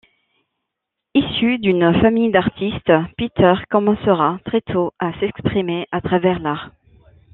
Issu d'une famille d'artistes Peter commencera très tôt à s'exprimer à travers l'art.